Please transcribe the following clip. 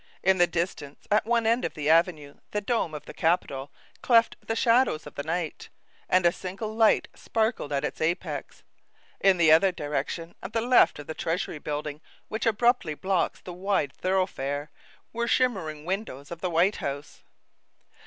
In the distance, at one end of the avenue the dome of the capitol cleft the shadows of night, and a single light sparkled at its apex; in the other direction, at the left of the treasury building which abruptly blocks the wide thoroughfare, were the shimmering windows of the White House.